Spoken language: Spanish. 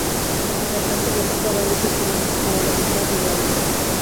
La cantante toca varios instrumentos, como la guitarra y banjo.